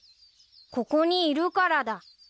［ここにいるからだ］